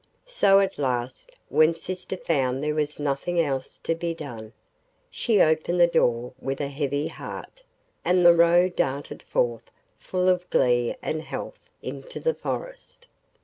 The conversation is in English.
So at last, when sister found there was nothing else to be done, she opened the door with a heavy heart, and the Roe darted forth full of glee and health into the forest.